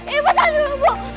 ibu tahan dulu bu